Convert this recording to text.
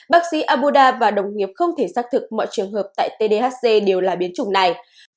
bác sĩ abuda và đồng nghiệp không thể xác thực mọi trường hợp tại tdhc đều là biến chủng này